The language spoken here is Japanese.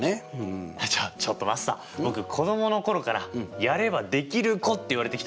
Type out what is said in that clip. ちょっちょっとマスター僕子供の頃からやればできる子って言われてきたんですよ！